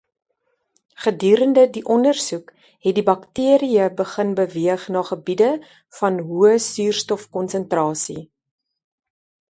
Gedurende die ondersoek het die bakterieë begin beweeg na gebiede van hoë suurstofkonsentrasie.